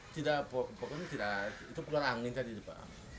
tidak pokoknya tidak itu keluar angin tadi pak